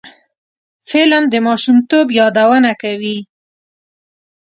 فلم د ماشومتوب یادونه کوي